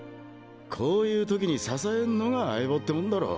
こういう時に支えんのが相棒ってもんだろ。